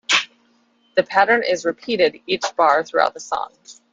The pattern is repeated each bar throughout the song.